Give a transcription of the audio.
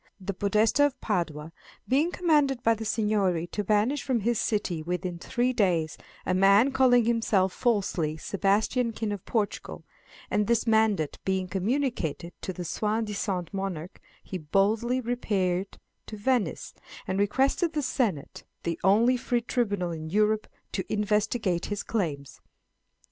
The Podesta of Padua being commanded by the Seignory to banish from his city within three days "a man calling himself falsely Sebastian, King of Portugal," and this mandate being communicated to the soi disant monarch, he boldly repaired to Venice, and requested the Senate, the only free tribunal in Europe, to investigate his claims.